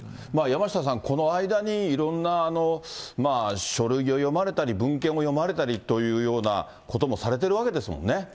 山下さん、この間にいろんな書類を読まれたり、文献を読まれたりというようなこともされてるわけですもんね。